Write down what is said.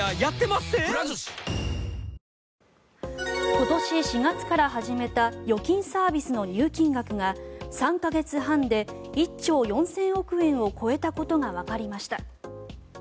今年４月から始めた預金サービスの入金額が３か月半で１兆４０００億円を超えたことがわかりました。